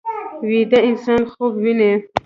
ویده انسان خوب ویني